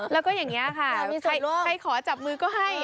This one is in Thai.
แล้วก็อย่างนี้ค่ะใครขอจับมือก็ให้